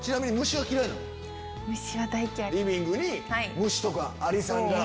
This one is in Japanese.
リビングに虫とかアリさんが。